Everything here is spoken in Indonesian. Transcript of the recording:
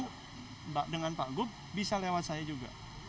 kalau dengan pak gup bisa lewat saya juga